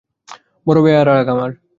বড় বেয়াড়া রাগ আমার।